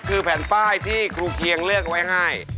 คือแผ่นป้ายที่ครูเกียงเลือกไว้ให้